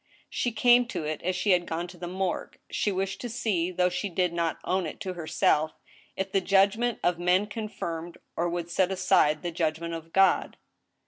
She came to it as she had gone to the morgue. She wished to see, though she did not own it to herself, if the judg ment of men confirmed, or would set aside, the judgment of God.